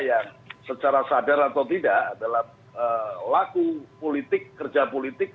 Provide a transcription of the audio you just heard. yang secara sadar atau tidak adalah laku politik kerja politik